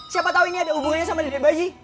siapa tau ini ada hubungannya sama dedek bayi